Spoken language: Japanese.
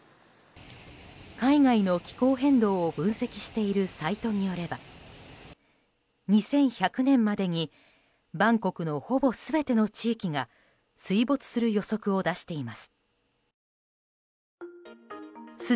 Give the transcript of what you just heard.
海外の気候変動を分析しているサイトによれば２１００年までにバンコクのほぼ全ての地域が水没する予測を出しています。